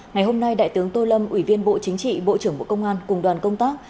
ngày hôm nay đại tướng tô lâm ủy viên bộ chính trị bộ trưởng bộ công an cùng đoàn công tác